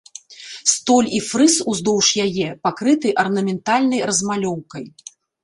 Столь і фрыз уздоўж яе пакрыты арнаментальнай размалёўкай.